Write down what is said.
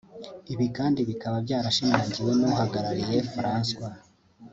Ibi kandi bikaba byaranashimangiwe na Uhagaze Francois